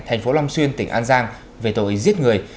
thành phố long xuyên tỉnh an giang về tội giết người